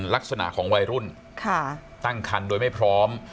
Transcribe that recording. ลักษณะของวัยรุ่นตั้งคันโดยไม่พร้อม